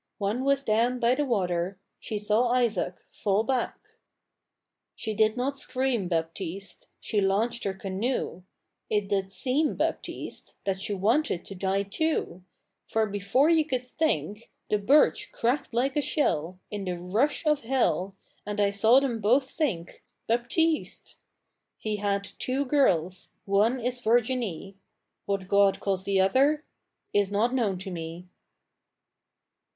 One was down by the water, She saw Isaàc Fall back. She did not scream, Baptiste, She launched her canoe; It did seem, Baptiste, That she wanted to die too, For before you could think The birch cracked like a shell In the rush of hell, And I saw them both sink Baptiste! He had two girls, One is Virginie; What God calls the other Is not known to me.